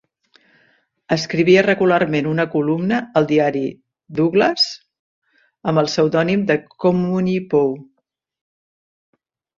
Escrivia regularment una columna al diari Douglass amb el pseudònim de "Communipaw".